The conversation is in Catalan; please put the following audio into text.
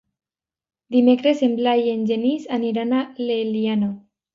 Dimecres en Blai i en Genís aniran a l'Eliana.